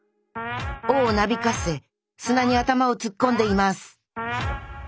尾をなびかせ砂に頭を突っ込んでいます